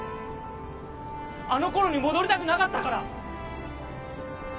あの頃に戻りたくなかったから。